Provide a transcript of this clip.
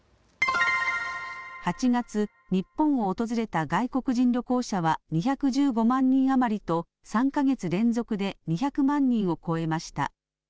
８月、日本を訪れた外国人旅行者は２１５万人余りと３か月連続で２００万人を超えました。